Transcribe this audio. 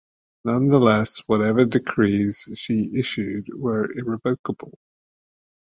Nonetheless, whatever decrees she issued were irrevocable.